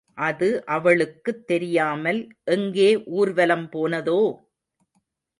அது அவளுக்குத் தெரியாமல் எங்கே ஊர்வலம் போனதோ?